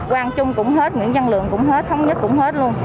quang trung cũng hết nguyễn văn lượng cũng hết thông nhất cũng hết luôn